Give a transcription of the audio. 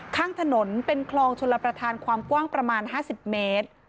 ข้างถนนเป็นคลองชลประธานความกว้างประมาณ๕๐เมตร